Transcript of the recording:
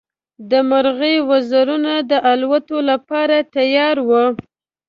د مرغۍ وزرونه د الوت لپاره تیار وو.